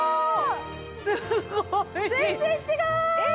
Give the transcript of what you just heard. すごい全然違う！